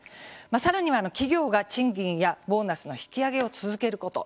さらには、企業が賃金やボーナスの引き上げを続けること。